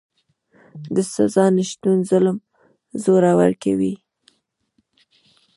د سزا نشتون ظالم زړور کوي.